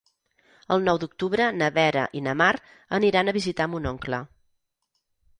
El nou d'octubre na Vera i na Mar aniran a visitar mon oncle.